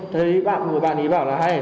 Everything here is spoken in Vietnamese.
thấy bạn của bạn ấy bảo là hai sáu